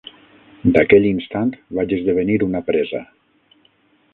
D’aquell instant vaig esdevenir una presa